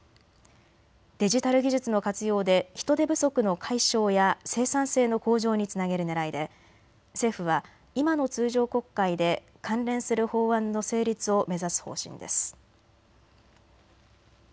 デジタル技術の活用で人手不足の解消や生産性の向上につなげるねらいで政府は今の通常国会で関連する法案の成立を目指す方針です。